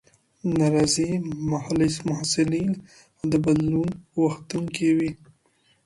ناراضي محصلین د بدلون غوښتونکي وي.